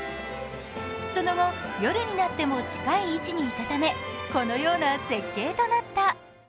その後、夜になっても近い位置にいたためこのような絶景となった。